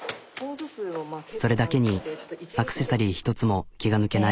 それだけにアクセサリー１つも気が抜けない。